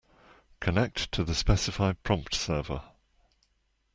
Connect to the specified prompt server.